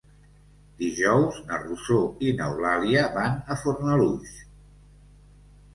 Dijous na Rosó i n'Eulàlia van a Fornalutx.